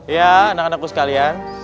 ya anak anakku sekalian